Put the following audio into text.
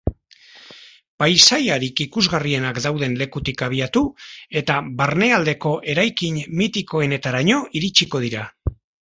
Paisaiarik ikusgarrienak dauden lekutik abiatu eta barnealdeko eraikin mitikoenetaraino iritsiko dira.